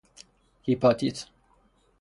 هیپاتیت